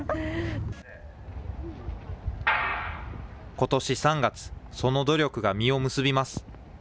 ことし３月、その努力が実を結びます。